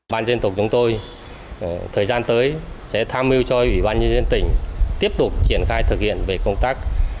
ban dân tộc chúng tôi thời gian tới sẽ tham mưu cho ủy ban nhân dân tỉnh tiếp tục triển khai thực hiện về công tác